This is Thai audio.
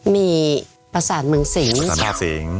มีประสาทเมืองสิง